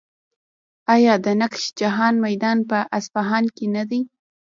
آیا د نقش جهان میدان په اصفهان کې نه دی؟